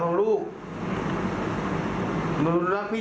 เรามีลูกไหม